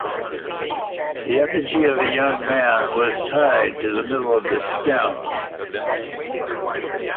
The effigy of a young man was tied to the middle of the stem.